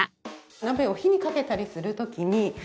鍋を火にかけたりする時に。